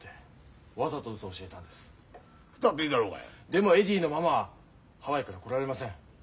でもエディのママはハワイから来られません。